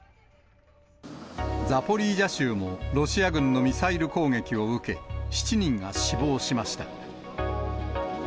ザポリージャ州もロシア軍のミサイル攻撃を受け、７人が死亡しました。